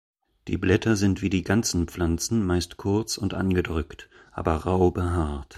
Die Blätter sind wie die ganzen Pflanzen meist kurz und angedrückt, aber rau behaart.